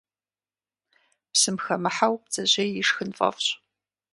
Псым хэмыхьэу бдзэжьей ишхын фӀэфӀщ.